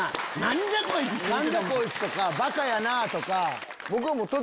「何じゃこいつ！」とか「バカやなぁ」とか。